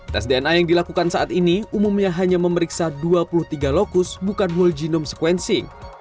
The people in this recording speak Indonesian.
tes dna yang dilakukan saat ini umumnya hanya memeriksa dua puluh tiga lokus bukan whole genome sequencing